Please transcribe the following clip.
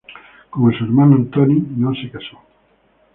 Como su hermano Antoni, no se casó.